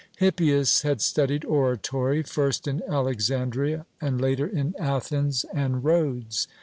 Hippias had studied oratory, first in Alexandria and later in Athens and Rhodes.